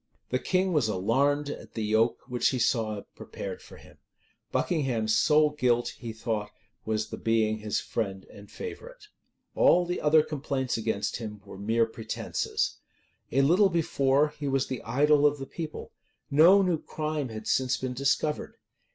[*] The king was alarmed at the yoke which he saw prepared for him. Buckingham's sole guilt, he thought, was the being his friend and favorite.[] * Rushworth, vol. i. p. 400 Franklyn, p. 199. Franklyn, p. 178. All the other complaints against him were mere pretences. A little before, he was the idol of the people. No new crime had since been discovered.